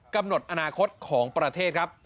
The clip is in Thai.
กำหนดอนาคตของประเทศครับ